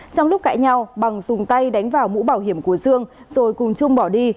trong lúc cãi nhau bằng dùng tay đánh vào mũ bảo hiểm của dương rồi cùng chung bỏ đi